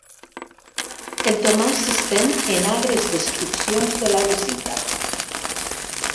El Tomàs s'estén en agres descripcions de la visita.